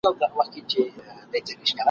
مُلا خپور کړی د جهل جال دی !.